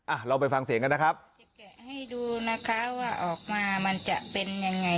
อ่ะลองไปฟังเสียงกันนะครับจะแกะให้ดูนะคะว่าออกมามันจะเป็นยังไง